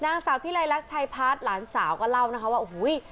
นางสาวพี่ไรลักชัยพัดหลานสาวก็เล่านะคะว่าอุ้ย